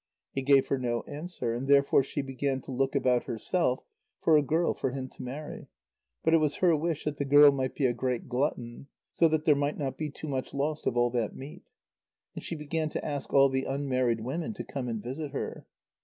He gave her no answer, and therefore she began to look about herself for a girl for him to marry, but it was her wish that the girl might be a great glutton, so that there might not be too much lost of all that meat. And she began to ask all the unmarried women to come and visit her.